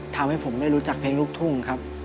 ทำให้ผมได้รู้จักเพลงลูกทุ่งครับ